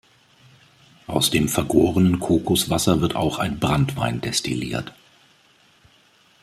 Aus dem vergorenen Kokoswasser wird auch ein Branntwein destilliert.